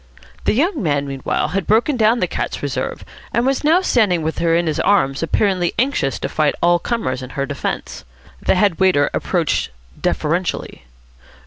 The young man meanwhile had broken down the cat's reserve, and was now standing with her in his arms, apparently anxious to fight all comers in her defence. The head waiter approached deferentially.